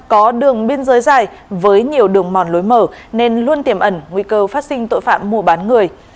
có đường biên giới dài với nhiều đường mòn lối mở nên luôn tiềm ẩn nguy cơ phát sinh tội phạm mua bán người